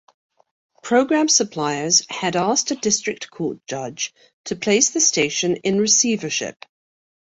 Program suppliers had asked a district court judge to place the station in receivership.